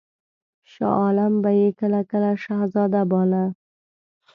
شاه عالم به یې کله کله شهزاده باله.